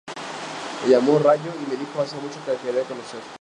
Me llamó ‘Rayo’ y me dijo que hacía mucho que me quería conocer.